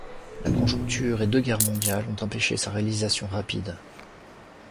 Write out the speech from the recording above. La conjoncture et deux guerres mondiales ont empêché sa réalisation rapide.